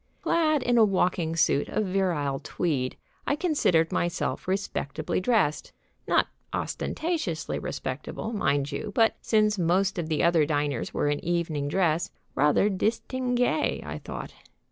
Clad in a walking suit of virile tweed, I considered myself respectably dressed. Not ostentatiously respectable, mind you, but, since most of the other diners were in evening dress, rather distingué, I thought.